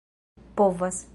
povas